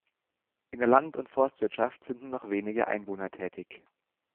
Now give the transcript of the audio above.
In der Land- und Forstwirtschaft sind nur noch wenige Einwohner tätig.